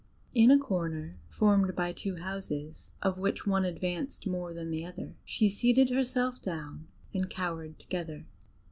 In a corner formed by two houses, of which one advanced more than the other, she seated herself down and cowered together.